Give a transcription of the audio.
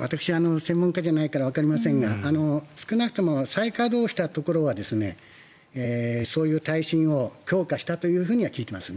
私は専門家じゃないからわかりませんが少なくとも改善されたところはそういう耐震を強化したというふうには聞いています。